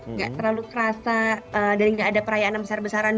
nggak terlalu kerasa dan nggak ada perayaan besar besaran